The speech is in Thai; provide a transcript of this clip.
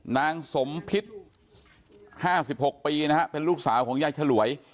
นางสมพิษ๕๖ปีนะฮะเป็นลูกสาวของยายฉลวย